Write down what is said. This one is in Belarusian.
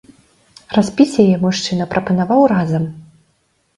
Распіць яе мужчына прапанаваў разам.